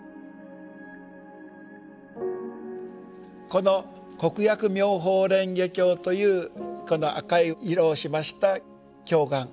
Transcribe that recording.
この「国訳妙法蓮華経」というこの赤い色をしました経巻